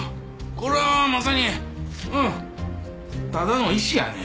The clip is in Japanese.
これはまさにうんただの石やね。